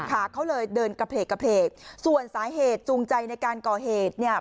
ขาเขาเลยเดินกระเพลกส่วนสาเหตุจูงใจในการก่อเหตุเนี่ย